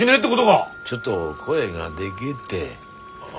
ちょっと声がでけえって。